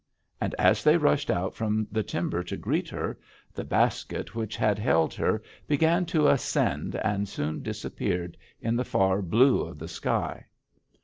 And as they rushed out from the timber to greet her, the basket which had held her began to ascend and soon disappeared in the far blue of the sky.